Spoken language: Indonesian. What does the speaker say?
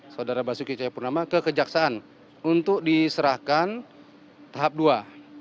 saudara basuki cahayapurnama ke kejaksaan untuk diserahkan tahap dua